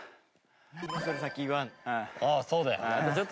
ああそうだよ。